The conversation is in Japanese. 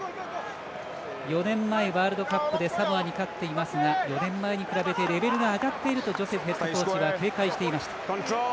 ４年前ワールドカップでサモアに勝っていますが４年前に比べてレベルが上がっているとジョセフヘッドコーチが警戒していました。